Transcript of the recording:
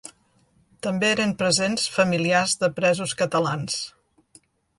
També eren presents familiars de presos catalans.